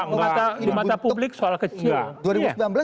di mata publik soal kecil